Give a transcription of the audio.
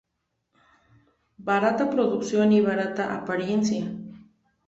Barata producción y barata apariencia.